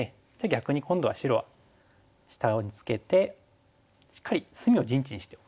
逆に今度は白は下にツケてしっかり隅を陣地にしておく。